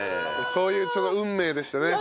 そういう運命でしたね。